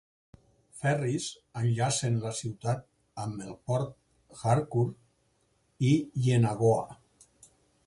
Ferris enllacen la ciutat amb el port Harcourt i Yenagoa.